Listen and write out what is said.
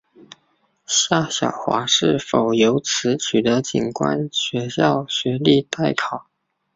夏晓华是否由此取得警官学校学历待考。